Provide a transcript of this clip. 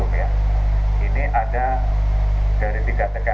kemudian perangkat tersebut ter eckan